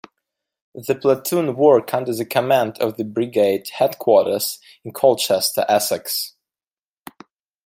The platoon work under the command of the Brigade Headquarters in Colchester, Essex.